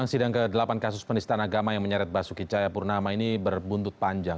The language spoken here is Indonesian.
kita lanjutkan berkat saudara